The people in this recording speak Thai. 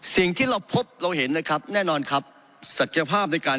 สิ่งที่เราพบเราเห็นนะครับแน่นอนครับศักยภาพในการ